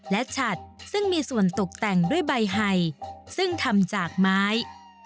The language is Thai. และฉัดซึ่งมีส่วนตกแต่งด้วยใบไห่ซึ่งทำจากไม้